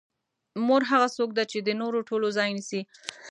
مور هغه څوک ده چې د نورو ټولو ځای نیسي.